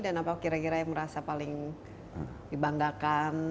dan apa kira kira yang merasa paling dibanggakan